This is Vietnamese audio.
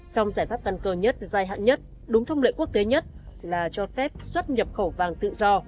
song giải pháp căn cơ nhất dài hạn nhất đúng thông lệ quốc tế nhất là cho phép xuất nhập khẩu vàng tự do